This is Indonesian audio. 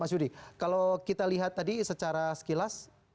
mas yudi kalau kita lihat tadi secara sekilas